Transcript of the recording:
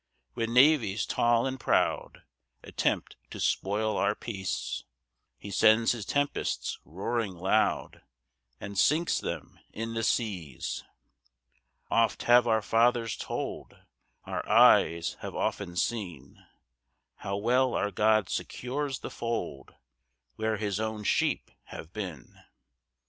5 When navies tall and proud Attempt to spoil our peace, He sends his tempests roaring loud, And sinks them in the seas. 6 Oft have our fathers told, Our eyes have often seen, How well our God secures the fold Where his own sheep have been.